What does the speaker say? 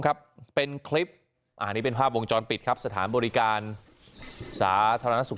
ครับเป็นคลิปอันนี้เป็นภาพวงจรปิดครับสถานบริการสาธารณสุข